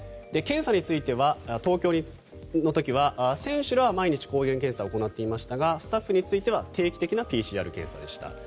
検査については東京の時は選手らは毎日抗原検査を行っていましたがスタッフについては定期的なＰＣＲ検査でした。